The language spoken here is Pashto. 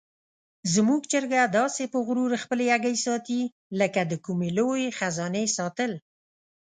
زموږ چرګه داسې په غرور خپلې هګۍ ساتي لکه د کومې لویې خزانې ساتل.